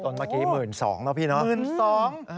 นี่ต้นเมื่อกี้๑๒๐๐๐เนอะพี่น้อง